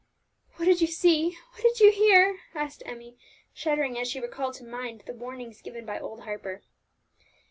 "What did you see, what did you hear?" asked Emmie, shuddering as she recalled to mind the warnings given by old Harper.